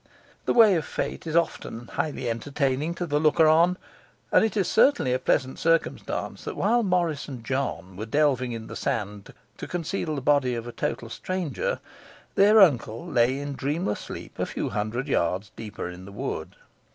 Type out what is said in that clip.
The way of fate is often highly entertaining to the looker on, and it is certainly a pleasant circumstance, that while Morris and John were delving in the sand to conceal the body of a total stranger, their uncle lay in dreamless sleep a few hundred yards deeper in the wood.